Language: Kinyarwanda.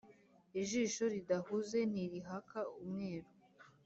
Ijisho ridahuze ntirihaka umweru